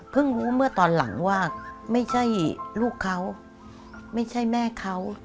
รู้เมื่อตอนหลังว่าไม่ใช่ลูกเขาไม่ใช่แม่เขา